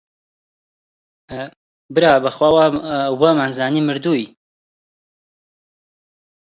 برا بەخوا وەمانزانی مردووی